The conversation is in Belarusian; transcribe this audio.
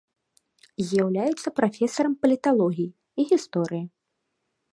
З'яўляецца прафесарам паліталогіі і гісторыі.